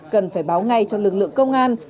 cần phải báo ngay cho lực lượng công an